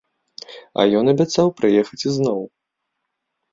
А ён абяцаў прыехаць ізноў.